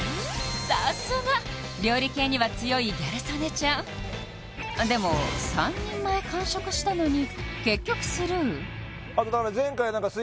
さすが料理系には強いギャル曽根ちゃんでも３人前完食したのに結局スルーあとだからはい